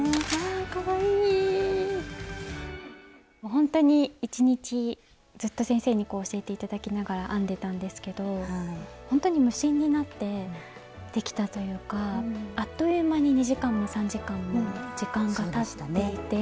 ほんとに１日ずっと先生にこう教えて頂きながら編んでたんですけどほんとに無心になってできたというかあっという間に２時間も３時間も時間がたっていて。